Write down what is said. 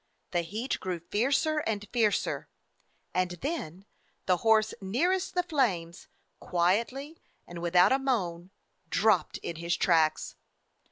The heat grew fiercer and fiercer, and then the horse nearest the flames quietly and with out a moan dropped in his tracks.